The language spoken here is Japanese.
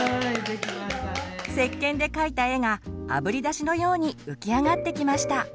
石けんで描いた絵があぶり出しのように浮き上がってきました！